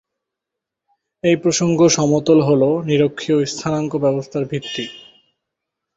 এই প্রসঙ্গ সমতল হল নিরক্ষীয় স্থানাঙ্ক ব্যবস্থার ভিত্তি।